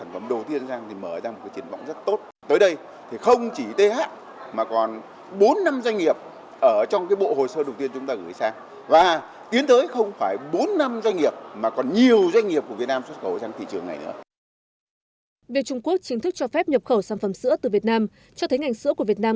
việc trung quốc chính thức cho phép nhập khẩu sản phẩm sữa từ việt nam cho thấy ngành sữa của việt nam